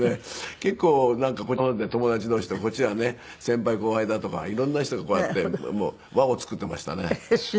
結構なんかこっちの方では友達同士でこっちはね先輩後輩だとか色んな人がこうやって輪を作っていましたね。